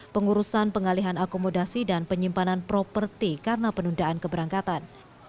pengurusan pengalihan akomodasi dan penyimpanan properti karena penundaan keberangkatan